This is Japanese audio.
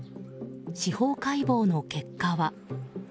司法解剖の結果は。